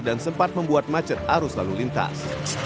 sempat membuat macet arus lalu lintas